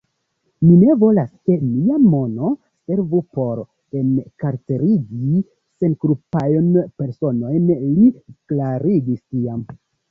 Mi ne volas, ke mia mono servu por enkarcerigi senkulpajn personojn, li klarigis tiam.